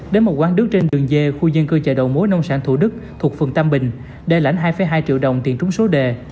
đến một quán nước trên đường dê khu dân cư chợ đầu mối nông sản thủ đức thuộc phường tam bình để lãnh hai hai triệu đồng tiền trung số đề